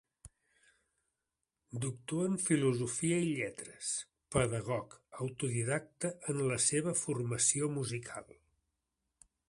Doctor en Filosofia i Lletres, pedagog, autodidacta en la seva formació musical.